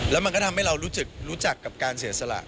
แล้วมันก็ทำให้เรารู้จักกับการเสียสละ